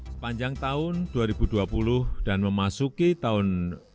sepanjang tahun dua ribu dua puluh dan memasuki tahun dua ribu dua puluh